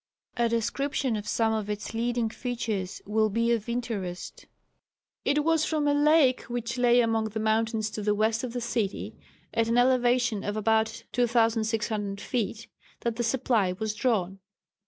A description of some of its leading features will be of interest. It was from a lake which lay among the mountains to the west of the city, at an elevation of about 2,600 feet, that the supply was drawn.